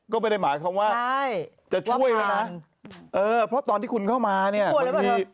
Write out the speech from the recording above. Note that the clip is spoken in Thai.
ก็ไม่ได้หมายความว่าจะช่วยแล้วนะเออเพราะตอนที่คุณเข้ามาเนี่ยบางที